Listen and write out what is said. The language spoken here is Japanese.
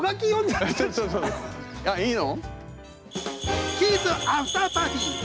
あいいの？